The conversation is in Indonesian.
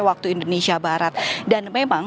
waktu indonesia barat dan memang